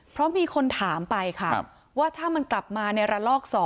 เพราะมีคนถามไปค่ะว่าถ้ามันกลับมาในระลอก๒